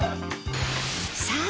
さあ